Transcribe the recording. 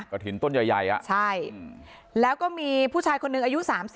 ถิ่นต้นใหญ่ใช่แล้วก็มีผู้ชายคนหนึ่งอายุ๓๐